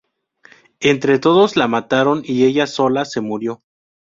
Entre todos la mataron y ella sola se murió